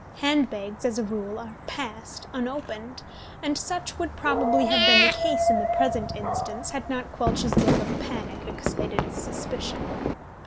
Hand bags, as a rule, are "passed" unopened, and such would probably have been the case in the present instance had not Quelch's look of panic excited suspicion.